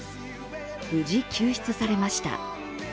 無事、救出されました。